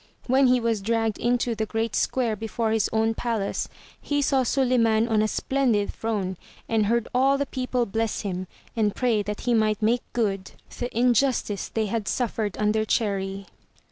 When he was dragged into the great square before his own palace, he saw Suliman on a splendid throne and heard all the people bless him and pray that he might make good the injustice they had suffered under Cherry.